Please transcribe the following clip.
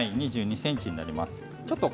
２２ｃｍになります。